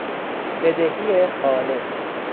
بدهی خالص